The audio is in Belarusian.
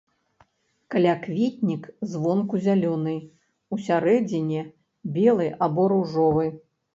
Калякветнік звонку зялёны, усярэдзіне белы або ружовы.